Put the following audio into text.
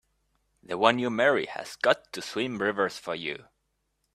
The one you marry has got to swim rivers for you!